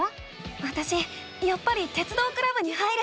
わたしやっぱり鉄道クラブに入る。